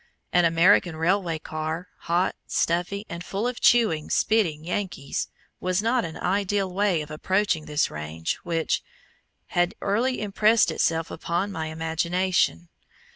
An American railway car, hot, stuffy and full of chewing, spitting Yankees, was not an ideal way of approaching this range which had early impressed itself upon my imagination.